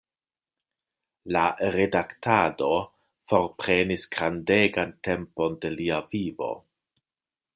La redaktado forprenis grandegan tempon de lia vivo.